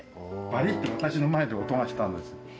バリって私の前で音がしたんです。